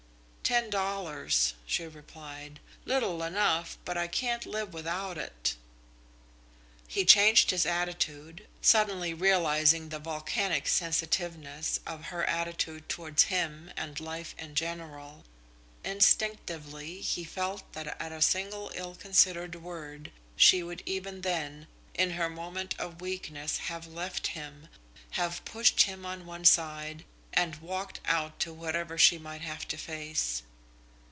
"Ten dollars," she replied. "Little enough, but I can't live without it." He changed his attitude, suddenly realising the volcanic sensitiveness of her attitude towards him and life in general. Instinctively he felt that at a single ill considered word she would even then, in her moment of weakness, have left him, have pushed him on one side, and walked out to whatever she might have to face.